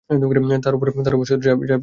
তারপর শত্রুর উপর ঝাঁপিয়ে পড়লাম।